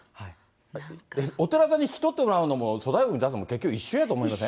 お寺さんに引き取ってもらうのも、粗大ごみに出すのも、結局、一緒やと思いません？